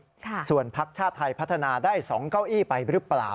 ค่ะส่วนพักชาติไทยพัฒนาได้สองเก้าอี้ไปหรือเปล่า